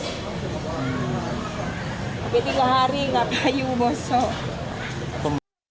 habis tiga hari tidak payuh bosok